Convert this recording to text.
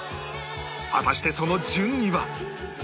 果たしてその順位は？